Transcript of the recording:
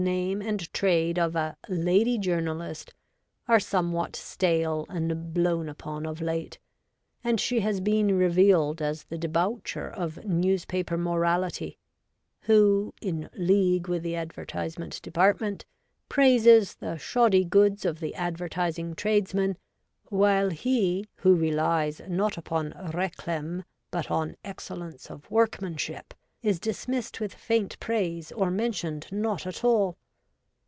name and trade of a ' lady journalist ' are somewhat stale and blown upon of late, and she has been revealed as the debaucher of newspaper morality, who, in league with the advertisement department, praises the shoddy goods of the advertising trades man, while he who relies not upon reclame but on excellence of workmanship is dismissed with faint praise, or mentioned not at all.